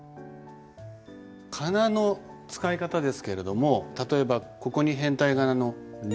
仮名の使い方ですけれども例えばここに変体仮名の「り」。